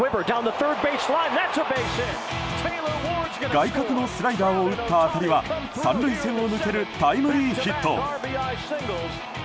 外角のスライダーを打った当たりは３塁線を抜けるタイムリーヒット！